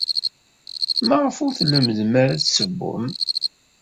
Maɣef ur lemmden ara ad ssewwen?